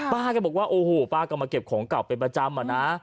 ป้าก็บอกว่าโอ้โหป้าก็มาเก็บของเก่าเป็นประจำอะนะ